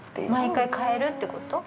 ◆毎回替えるってこと？